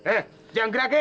eh jangan geraki